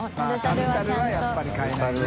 タルタルはやっぱり変えないね。